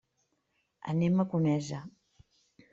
Anem a Conesa.